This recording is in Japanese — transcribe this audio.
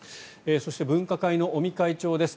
そして、分科会の尾身会長です。